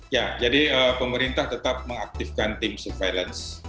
ya jadi pemerintah tetap mengaktifkan tim surveillance